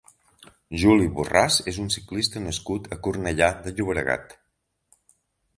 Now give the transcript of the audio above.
Juli Borràs és un ciclista nascut a Cornellà de Llobregat.